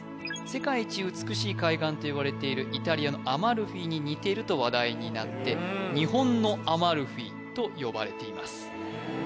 世界一美しい海岸といわれているイタリアのアマルフィに似てると話題になって日本のアマルフィと呼ばれています